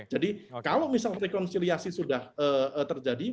jadi kalau misalnya rekonsiliasi sudah terjadi